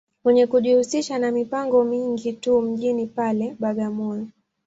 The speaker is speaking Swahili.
Mwenye kujihusisha ma mipango mingi tu mjini pale, Bagamoyo.